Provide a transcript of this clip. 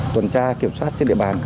tuần tra kiểm soát trên địa bàn